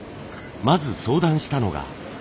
まず相談したのが。